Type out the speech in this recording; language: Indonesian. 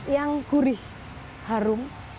yang gurih harum